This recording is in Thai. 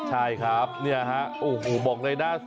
ใช่ครับนี่ฮะบอกเลยนะ